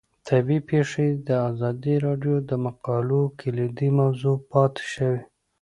طبیعي پېښې د ازادي راډیو د مقالو کلیدي موضوع پاتې شوی.